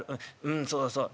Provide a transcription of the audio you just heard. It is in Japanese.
うんそうそう。